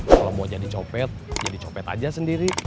kalau mau jadi copet jadi copet aja sendiri